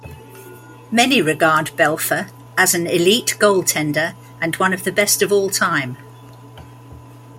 Many regard Belfour as an elite goaltender and one of the best of all-time.